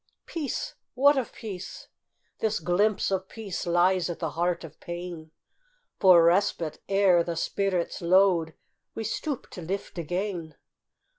Peace! What of peace? This glimpse of peace Lies at the heart of pain, For respite, ere the spirit's load We stoop to lift again.